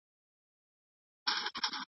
په دې نن د وطن ماځيګرى